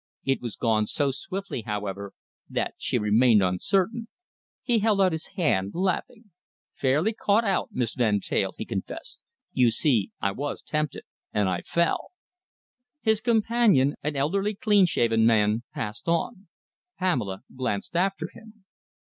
It was gone so swiftly, however, that she remained uncertain. He held out his hand, laughing. "Fairly caught out, Miss Van Teyl," he confessed. "You see, I was tempted, and I fell." His companion, an elderly, clean shaven man, passed on. Pamela glanced after him.